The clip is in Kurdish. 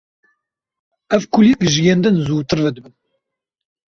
Ev kulîlk ji yên din zûtir vedibin.